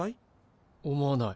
思わない。